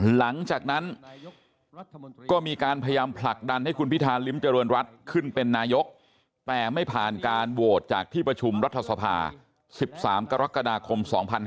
หลังจากนั้นก็มีการพยายามผลักดันให้คุณพิธาริมเจริญรัฐขึ้นเป็นนายกแต่ไม่ผ่านการโหวตจากที่ประชุมรัฐสภา๑๓กรกฎาคม๒๕๕๙